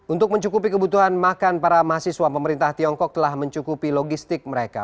untuk mencukupi kebutuhan makan para mahasiswa pemerintah tiongkok telah mencukupi logistik mereka